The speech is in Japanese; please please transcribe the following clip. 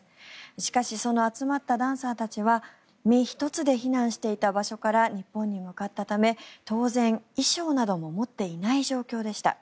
しかしその集まったダンサーたちは身一つで避難していた場所から日本に向かったため当然、衣装なども持っていない状況でした。